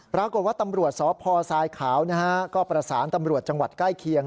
ปรากฏว่าตำรวจสพทรายขาวก็ประสานตำรวจจังหวัดใกล้เคียง